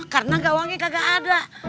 karena gak wangi kagak ada